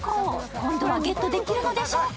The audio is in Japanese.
今度はゲットできるのでしょうか？